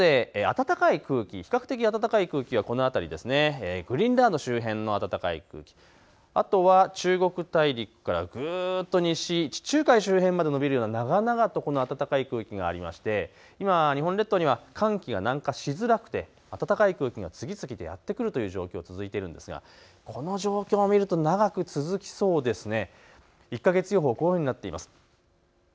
一方で暖かい空気、比較的暖かい空気がこの辺り、グリーンランド周辺の暖かい空気、あとは中国大陸からぐーっと西、地中海周辺まで延びるような長々とこの暖かい空気がありまして、今、日本列島には寒気が南下しづらくて、暖かい空気が次々とやって来るという状況、続いているんですが、この状況を見ると長く続きそうですね。